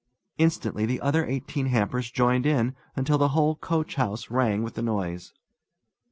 Instantly the other eighteen hampers joined in, until the whole coachhouse rang with the noise.